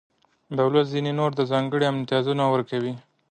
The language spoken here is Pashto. دولت ځینې نور ځانګړي امتیازونه ورکوي.